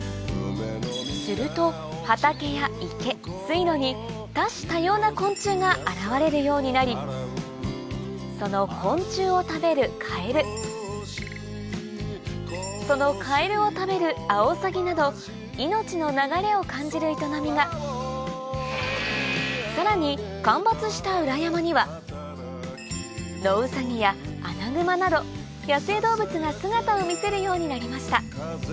すると畑や池水路に多種多様な昆虫が現れるようになりその昆虫を食べるカエルそのカエルを食べるアオサギなど命の流れを感じる営みがさらに間伐した裏山にはノウサギやアナグマなど野生動物が姿を見せるようになりました